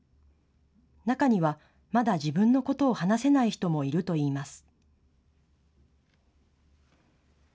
中にはまだ自分のことを話せない人もいるといいます。